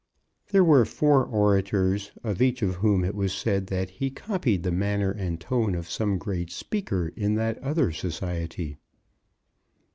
There were four orators, of each of whom it was said that he copied the manner and tone of some great speaker in that other society.